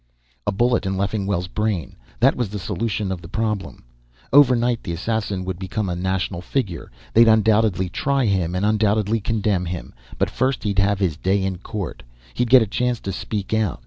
A bullet in Leffingwell's brain; that was the solution of the problem. Overnight the assassin would become a national figure. They'd undoubtedly try him and undoubtedly condemn him, but first he'd have his day in court. He'd get a chance to speak out.